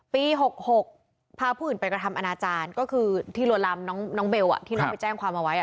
ปี๖๖พาผู้อื่นไปกระทำอนาจารย์ก็คือที่ลวนลามน้องเบลที่น้องไปแจ้งความเอาไว้